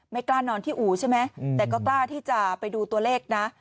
กล้านอนที่อู่ใช่ไหมแต่ก็กล้าที่จะไปดูตัวเลขนะ